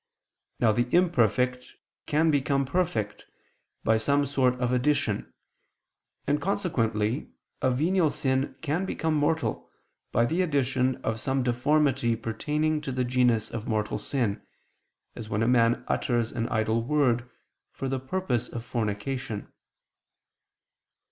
Now the imperfect can become perfect, by some sort of addition: and, consequently, a venial sin can become mortal, by the addition of some deformity pertaining to the genus of mortal sin, as when a man utters an idle word for the purpose of fornication.